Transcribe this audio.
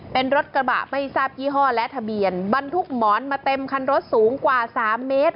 เป็นรถกระบะไม่ทราบยี่ห้อและทะเบียนบรรทุกหมอนมาเต็มคันรถสูงกว่า๓เมตร